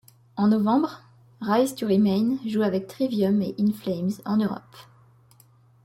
En novembre, Rise to Remain joue avec Trivium et In Flames en Europe.